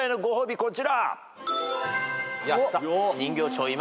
こちら。